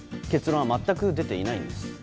結論は全く出ていないんです。